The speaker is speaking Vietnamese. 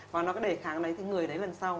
và nó đề kháng lấy thì người đấy lần sau